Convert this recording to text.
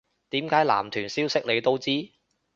點解男團消息你都知